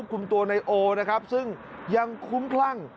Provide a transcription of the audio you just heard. บานที่๒๐มูล๗กรัม